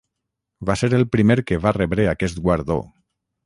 Va ser el primer que va rebre aquest guardó.